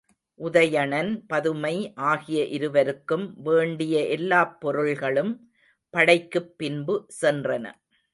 உதயணன், பதுமை ஆகிய இருவருக்கும் வேண்டிய எல்லாப் பொருள்களும் படைக்குப் பின்பு சென்றன.